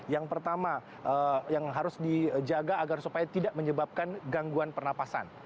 yang pertama yang harus dijaga agar supaya tidak menyebabkan gangguan pernapasan